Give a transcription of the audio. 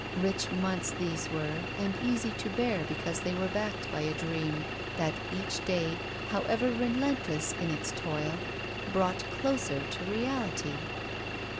Rich months these were and easy to bear be cause they were backed by a dream that each day, however r^entless in its toil, brought closer to reality.